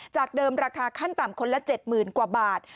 จากเดิมราคาขั้นต่ำคนละ๗๐๐๐กว่าบาท